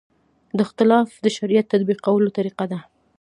دا اختلاف د شریعت تطبیقولو طریقه ده.